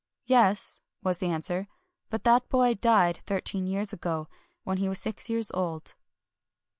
"Yes," was the answer; "but that boy died thirteen years ago, when he was six years old."